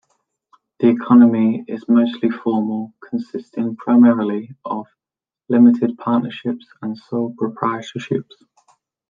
The economy is mostly formal, consisting primarily of limited partnerships and sole proprietorships.